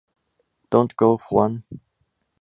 Don’t go Juan!